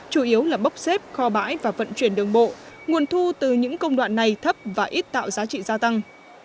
chủ yếu là bốc xếp kho bãi và vận chuyển đường bộ nguồn thu từ những công đoạn này thấp và ít tạo giá trị gia tăng